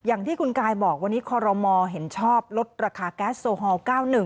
อย่างที่คุณกายบอกวันนี้คอรมอเห็นชอบลดราคาแก๊สโซฮอล๙๑